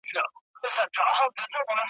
مُلا به څنګه دلته پاچا وای `